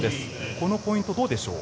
このポイント、どうでしょう。